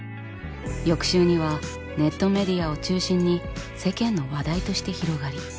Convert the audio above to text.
翌週にはネットメディアを中心に世間の話題として広がり。